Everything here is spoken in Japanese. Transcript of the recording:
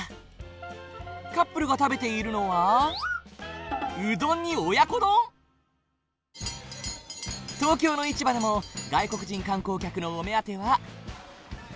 カップルが食べているのは東京の市場でも外国人観光客のお目当ては。